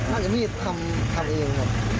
น่าจะมีดทำเอง